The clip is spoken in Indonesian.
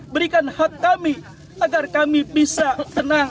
berikan hak kami agar kami bisa tenang